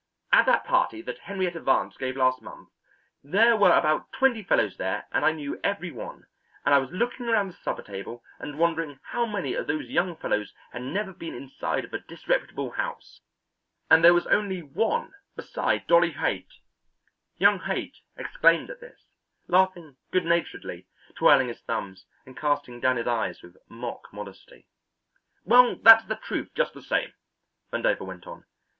At that party that Henrietta Vance gave last month there were about twenty fellows there and I knew every one, and I was looking around the supper table and wondering how many of those young fellows had never been inside of a disreputable house, and there was only one beside Dolly Haight!" Young Haight exclaimed at this, laughing good naturedly, twirling his thumbs, and casting down his eyes with mock modesty. "Well, that's the truth just the same," Vandover went on.